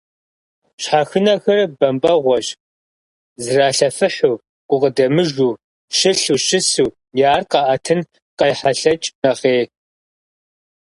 Щхьэхынэхэр бампӀэгъуэщ: зралъэфыхьу, гукъыдэмыжу, щылъу, щысу, я Ӏэр къаӀэтын къайхьэлъэкӀ нэхъей.